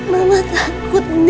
mama takut andin